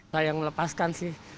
saya yang melepaskan sih